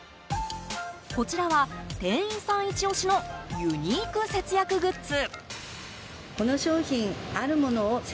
こちらは、店員さんイチ押しのユニーク節約グッズ。